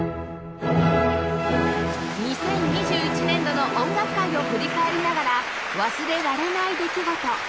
２０２１年度の音楽界を振り返りながら忘れられない出来事